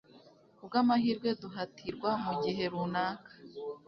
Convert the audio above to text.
Kubwamahirwe duhatirwa mugihe runaka